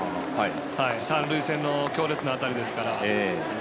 三塁線の強烈な当たりですから。